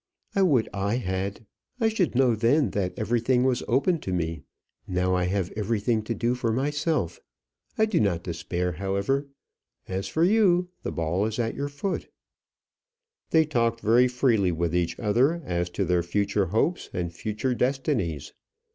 "I would I had; I should know then that everything was open to me. Now I have everything to do for myself. I do not despair, however. As for you, the ball is at your foot." They talked very freely with each other as to their future hopes and future destinies.